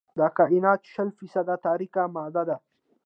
د کائنات شل فیصده تاریک ماده ده.